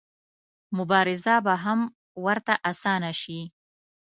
مبارزه به هم ورته اسانه شي.